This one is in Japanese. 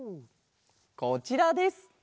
こちらです。